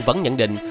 vẫn nhận định